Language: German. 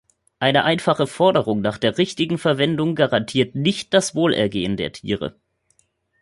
Eine einfache Forderung nach der richtigen Verwendung garantiert nicht das Wohlergehen der Tiere.